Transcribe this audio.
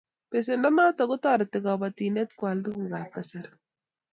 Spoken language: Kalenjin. Pesendo notok ko tareti kabatindet ko al tuguk ab kasari